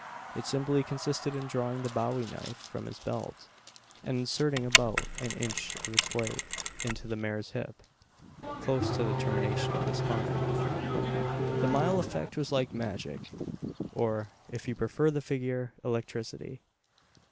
It simply consisted in drawing the bowie knife from his belt, and inserting about in inch of its blade into the mare's hip, close to the termination of the spine. The effect was like magic; or, if you prefer the figure electricity.